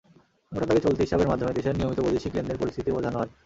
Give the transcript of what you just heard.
মোটাদাগে চলতি হিসাবের মাধ্যমে দেশের নিয়মিত বৈদেশিক লেনদেন পরিস্থিতি বোঝানো হয়।